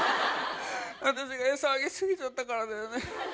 私が餌あげすぎちゃったからだよね。